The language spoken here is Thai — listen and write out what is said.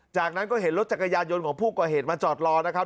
จากนั้นก็เห็นรถจักรยานยนต์ของผู้ก่อเหตุมาจอดรอนะครับ